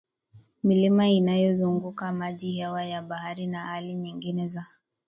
Milima inayozunguka miji hewa ya bahari na hali nyingine za